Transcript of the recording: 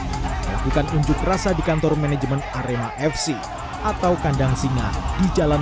melakukan unjuk rasa di kantor manajemen arema fc atau kandang singa di jalan